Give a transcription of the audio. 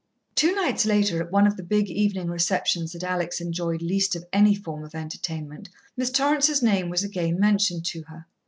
Two nights later, at one of the big evening receptions that Alex enjoyed least of any form of entertainment, Miss Torrance's name was again mentioned to her.